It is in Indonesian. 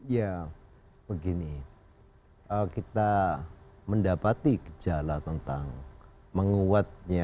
ya begini kita mendapati gejala tentang menguatnya